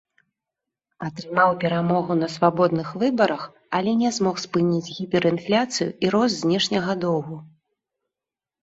Атрымаў перамогу на свабодных выбарах, але не змог спыніць гіперінфляцыю і рост знешняга доўгу.